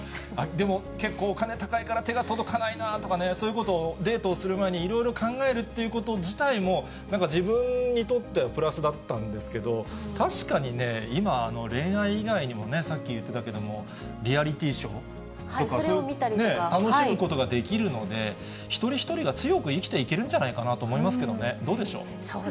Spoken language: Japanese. でも結構お金高いから、手が届かないなとかね、そういうことをデートをする前にいろいろ考えるっていうこと自体も、なんか自分にとってはプラスだったんですけど、確かにね、今、恋愛意外にもね、さっき言ってたけども、リアリティショーとか、そういう楽しむことができるので、一人一人が強く生きていけるんじゃないかなと思いますけどね、どうでしょう。